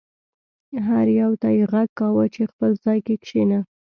هر یو ته یې غږ کاوه چې خپل ځای کې کښېنه.